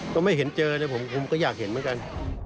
ก็ไม่เห็นเจอเลยผมก็อยากเห็นเหมือนกัน